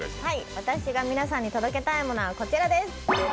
私が皆さんに届けたいものは、こちらです。